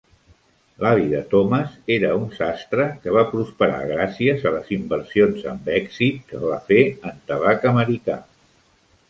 L'avi de Thomas era un sastre, que va prosperar gràcies a les inversions amb èxit que va fer en tabac americà.